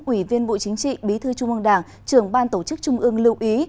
ủy viên bộ chính trị bí thư trung ương đảng trưởng ban tổ chức trung ương lưu ý